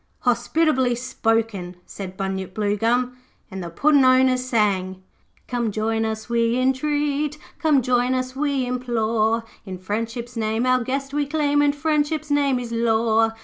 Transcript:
'Hospitably spoken,' said Bunyip Bluegum, and the Puddin' owners sang 'Come join us we intreat, Come join us we implore, In Friendship's name our guest we claim, And Friendship's name is law.